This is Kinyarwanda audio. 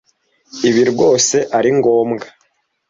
Ibi rwose ari ngombwa.